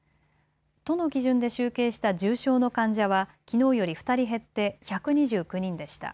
都の基準で集計した重症の患者はきのうより２人減って１２９人でした。